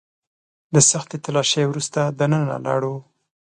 د سختې تلاشۍ وروسته دننه لاړو.